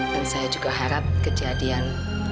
dan saya juga harap kejadian